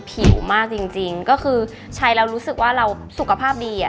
ผิวมากจริงจริงก็คือใช้แล้วรู้สึกว่าเราสุขภาพดีอ่ะ